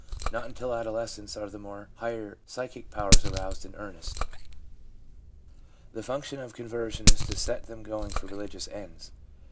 Not until adolescence are the higher psychic powers aroused in earnest — the function of conversion is to set them going for religious ends.